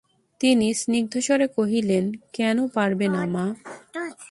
তিনি স্নিগ্ধস্বরে কহিলেন, কেন পারবে না মা?